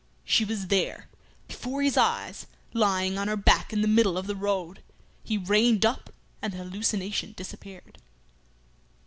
She was there; before his eyes, lying on her back in the middle of the road. He reined up, and the hallucination disappeared.